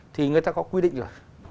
thì người ta có quy định rồi